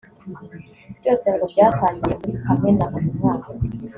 Byose ngo byatangiye muri Kamena uyu mwaka